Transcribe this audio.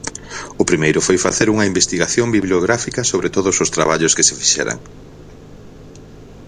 O primeiro foi facer unha investigación bibliográfica sobre todos os traballos que se fixeran.